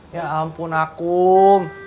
ya ampun ah kum